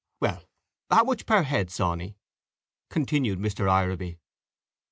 "Well, how much per head, Sawney," continued Mr. Ireby.